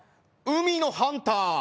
「海のハンター」。